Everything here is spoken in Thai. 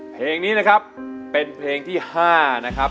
เพลงนี้นะครับเป็นเพลงที่๕นะครับ